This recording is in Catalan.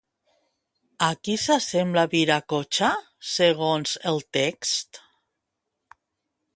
A qui s'assembla Viracocha, segons el text?